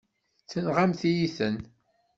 Tenɣamt-iyi-ten.